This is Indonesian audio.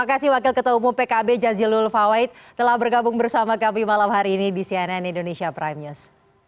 terima kasih wakil ketua umum pkb jazilul fawait telah bergabung bersama kami malam hari ini di cnn indonesia prime news